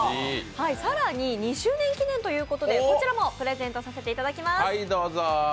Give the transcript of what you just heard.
更に、２周年記念ということで、こちらもプレゼントさせていただきます。